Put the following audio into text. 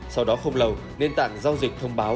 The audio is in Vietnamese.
sau đó không lâu nền tảng giao dịch thông báo